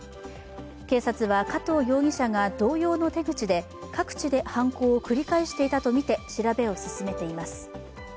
警察は、加藤容疑者が同様の手口で各地で犯行を繰り返していたとみて調べを進めています。